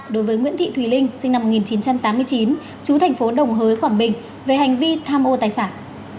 đối với nguyễn thị thùy linh sinh năm một nghìn chín trăm tám mươi chín chú thành phố đồng hới quảng bình về hành vi tham ô tài sản